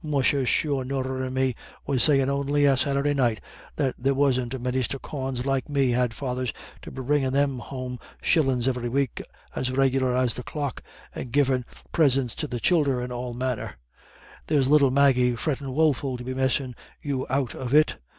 Musha sure Norah and meself was sayin' on'y on Saturday night that there wasn't many stookawns like me had fathers to be bringin' them home shillin's every week as regular as the clock, and givin' prisints to the childer, and all manner. There's little Maggie frettin' woful to be missin' you out of it.